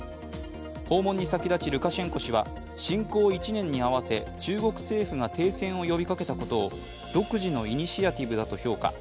訪問に先立ちルカシェンコ氏は侵攻１年に合わせ中国政府が停戦を呼びかけたことを独自のイニシアチブだと評価。